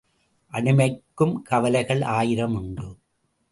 அடிமைக்கும் கவலைகள் ஆயிரம் உண்டு!